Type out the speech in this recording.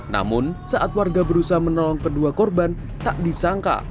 namun saat warga berusaha menolong kedua korban tak disangka